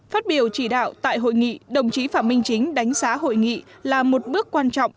phát biểu chỉ đạo tại hội nghị đồng chí phạm minh chính đánh giá hội nghị là một bước quan trọng